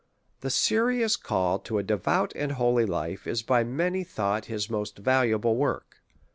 The Serious Call to a Devout and Holy Life is by many thought his most valuable wqrk.